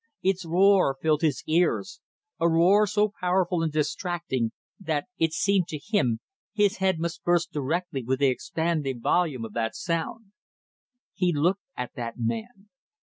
Its roar filled his cars; a roar so powerful and distracting that, it seemed to him, his head must burst directly with the expanding volume of that sound. He looked at that man.